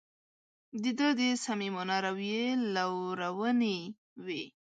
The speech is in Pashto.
د ده د صمیمانه رویې لورونې وې.